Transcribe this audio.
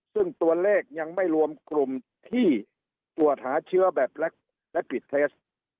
ซึ่งตัวเลขยังไม่รวมกลุ่มที่ตรวจหาเชื้อแบบและผิดเทส